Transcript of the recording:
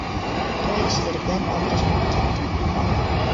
توي ئىشلىرى بىلەن ئالدىراش بولۇپ كەتتىم.